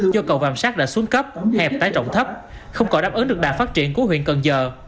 do cầu vàm sát đã xuống cấp hẹp tái trọng thấp không có đáp ứng được đạt phát triển của huyện cần giờ